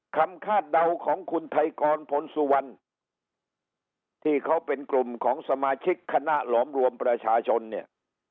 คาดเดาของคุณไทยกรพลสุวรรณที่เขาเป็นกลุ่มของสมาชิกคณะหลอมรวมประชาชนเนี่ย